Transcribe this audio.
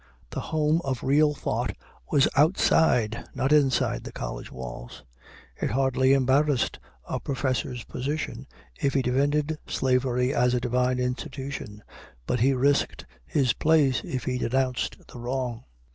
The home of real thought was outside, not inside, the college walls. It hardly embarrassed a professor's position if he defended slavery as a divine institution; but he risked his place if he denounced the wrong.